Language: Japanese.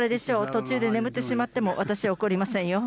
途中で眠ってしまっても、私は怒りませんよ。